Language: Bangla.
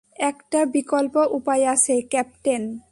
একটা বিকল্প উপায় আছে, ক্যাপ্টেন।